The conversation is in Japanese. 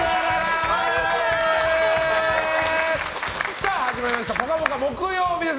さあ始まりました「ぽかぽか」木曜日です。